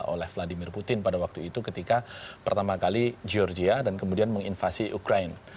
oleh vladimir putin pada waktu itu ketika pertama kali georgia dan kemudian menginvasi ukraine